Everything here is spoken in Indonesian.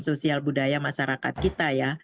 sosial budaya masyarakat kita ya